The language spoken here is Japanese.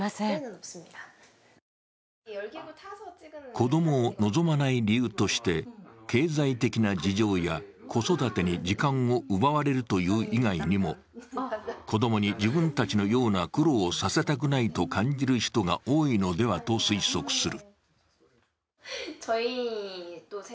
子供を望まない理由として経済的な事情や子育てに時間を奪われるという以外にも子供に自分たちのような苦労をさせたくないと感じる人が多いのではと推測する。